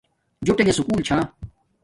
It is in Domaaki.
جوٹݣے سکوُل چھا